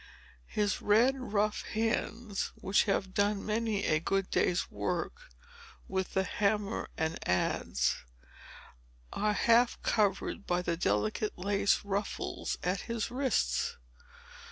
His red, rough hands, which have done many a good day's work with the hammer and adze, are half covered by the delicate lace ruffles at his wrists.